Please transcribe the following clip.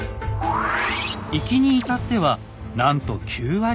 行きに至ってはなんと９割以上。